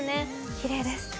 きれいです。